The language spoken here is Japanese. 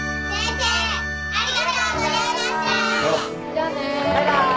じゃあね。バイバイ。